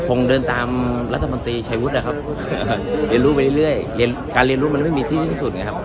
คงเดินตามรัฐมนตรีชัยวุฒินะครับเรียนรู้ไปเรื่อยเรียนการเรียนรู้มันไม่มีที่ที่สุดไงครับ